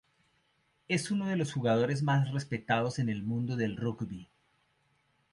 Es uno de los jugadores más respetados en el mundo del rugby.